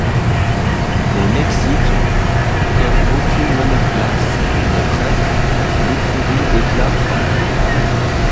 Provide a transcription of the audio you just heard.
Au Mexique, comme aucune monoplace n'est prête, l'écurie déclare forfait.